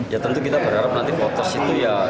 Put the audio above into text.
ya tentu kita berharap nanti potos itu ya